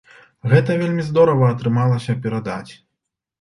Гэта вельмі здорава атрымалася перадаць!